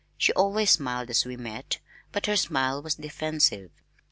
She always smiled as we met, but her smile was defensive.